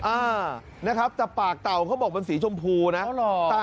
อ่านะครับแต่ปากเต่าเขาบอกมันสีชมพูนะ